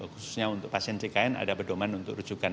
khususnya untuk pasien ckn ada perdoman untuk rujukan